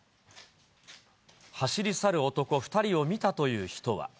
走り去る男２人を見たという人は。